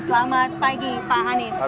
selamat pagi pak hanif